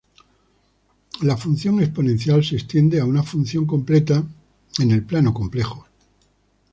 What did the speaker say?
La función exponencial se extiende a una función completa en el plano complejo.